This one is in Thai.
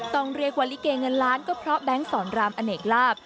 ต้องเรียกว่าลิเกเงินล้านก็เพราะแบงค์สอนรามอเนกลาบ